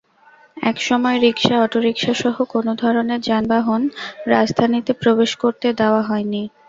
এসময় রিকশা, অটোরিকশাসহ কোনো ধরনের যানবাহন রাজধানীতে প্রবেশ করতে দেওয়া হয়নি।